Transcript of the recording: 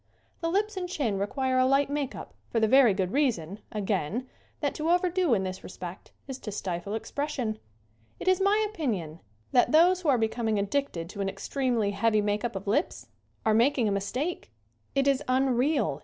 The lips and chin require a light make up for the very good reason, again, that to overdo in this respect is to stifle expression. It is my opinion that those who are becoming addicted to an extremely heavy make up of lips are mak ing a mistake. It is unreal.